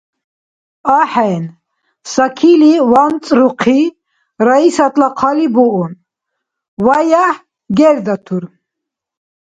– АхӀен! – Сакили, ванцӀрухъи, Раисатла «хъали» буун, ваяхӀ гердатур.